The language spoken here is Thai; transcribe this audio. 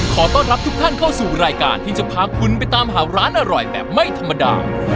ขอต้อนรับทุกท่านเข้าสู่รายการที่จะพาคุณไปตามหาร้านอร่อยแบบไม่ธรรมดา